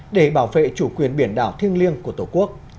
để bảo vệ chủ quyền biển đảo thiêng liêng của tổ quốc